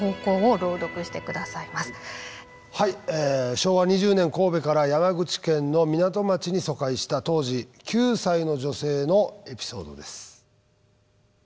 昭和２０年神戸から山口県の港町に疎開した当時９歳の女性のエピソードです。